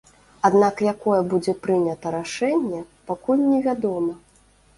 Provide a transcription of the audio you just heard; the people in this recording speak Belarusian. Аднак якое будзе прынята рашэнне, пакуль не вядома.